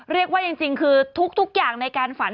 เรียกว่าจริงคือทุกอย่างในการฝัน